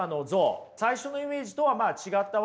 最初のイメージとはまあ違ったわけですよね。